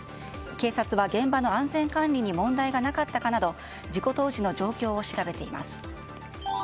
警察は現場の安全管理に問題がなかったかなど事故当時の状況を調べています。